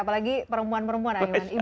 apalagi perempuan perempuan ahilman